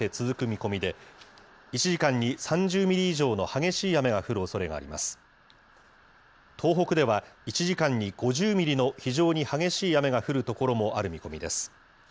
東北では１時間に５０ミリの非常に激しい雨が降る所もある見込みです。